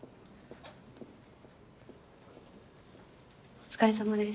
お疲れさまです。